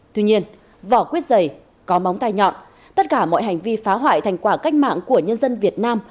tuy nhiên vỏ quýt dày có móng tay nhọn tất cả mọi hành vi phá hoại thành quả cách mạng của nhân dân việt nam